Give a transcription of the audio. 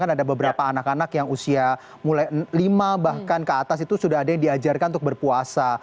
jadi ada anak yang usia mulai lima bahkan ke atas itu sudah ada yang diajarkan untuk berpuasa